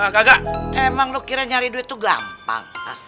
gak gak emang lu kira nyari duit tuh gampang